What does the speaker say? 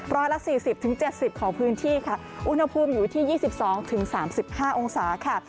ร้อยละ๔๐๗๐ของพื้นที่ค่ะอุณหภูมิอยู่ที่๒๒๓๕องศาค่ะ